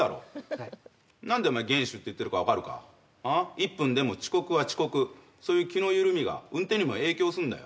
１分でも遅刻は遅刻そういう気の緩みが運転にも影響するんだよ